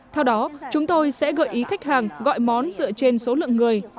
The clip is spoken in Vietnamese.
theo đó chúng tôi sẽ gợi ý khách hàng gọi món dựa trên số lượng người